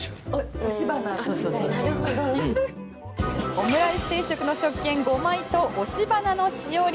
オムライス定食の食券５枚と押し花のしおり。